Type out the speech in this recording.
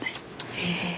へえ。